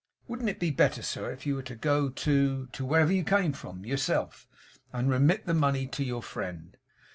Wouldn't it be better, sir, if you were to go to to wherever you came from yourself, and remit the money to your friend?